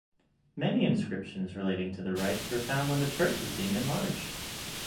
Many inscriptions relating to the rites were found when the church was being enlarged.